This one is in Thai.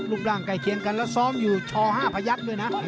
ลุมดั่งไก่เขียนกันและซ้อมช่อ๕ประยักษ์ด้วยนะ